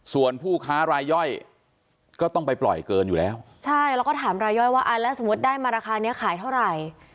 ส่วนผู้ค้ารายย่อยก็ต้องไปปล่อยเกินอยู่แล้วใช่แล้วก็ถามรายย่อยว่าอ่าแล้วสมมุติได้มาราคานี้ขายเท่าไหร่